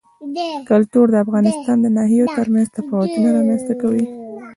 کلتور د افغانستان د ناحیو ترمنځ تفاوتونه رامنځ ته کوي.